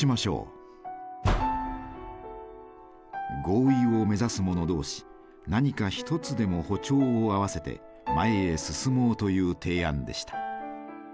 合意を目指す者同士何か一つでも歩調を合わせて前へ進もうという提案でした。